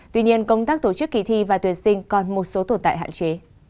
tuy nhiên công tác tổ chức kỳ thi và tuyển sinh còn một số tồn tại hạn chế